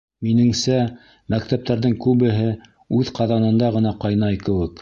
Минеңсә, мәктәптәрҙең күбеһе үҙ ҡаҙанында ғына ҡайнай кеүек.